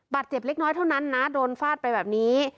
เจ็บเล็กน้อยเท่านั้นนะโดนฟาดไปแบบนี้